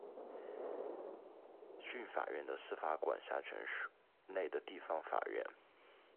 郡法院的司法管辖权内的地方法院。